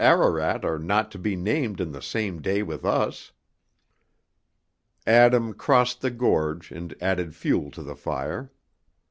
Ararat are not to be named in the same day with us." Adam crossed the gorge and added fuel to the fire.